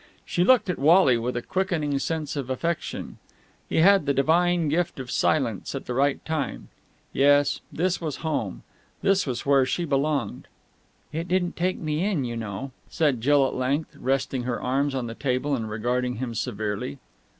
She looked at Wally with a quickening sense of affection. He had the divine gift of silence at the right time. Yes, this was home. This was where she belonged. "It didn't take me in, you know," said Jill at length, resting her arms on the table and regarding him severely.